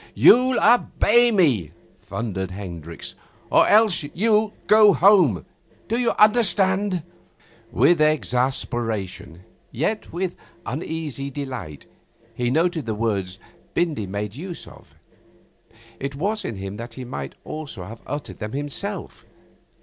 'You'll obey me,' thundered Hendricks, 'or else you'll go home. D'you understand?' With exasperation, yet with uneasy delight, he noted the words Bindy made use of. It was in him that he might almost have uttered them himself.